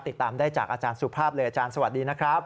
ติดตามได้จากอาจารย์สุภาพเลยอาจารย์สวัสดีนะครับ